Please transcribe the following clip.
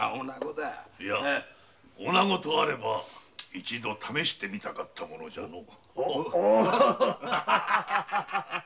女とあれば一度試してみたかったものじゃのう。